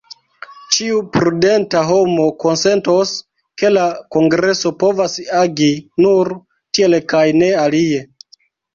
Ĉiu prudenta homo konsentos, ke la kongreso povas agi nur tiel kaj ne alie.